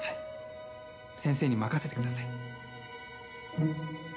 先生に任せてください。